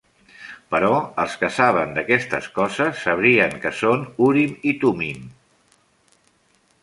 Però els que saben d'aquestes coses, sabrien que són Urim i Tumim.